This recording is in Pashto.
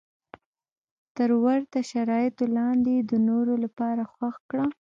تر ورته شرایطو لاندې یې د نورو لپاره خوښ کړه.